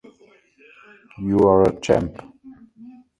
You are a chap!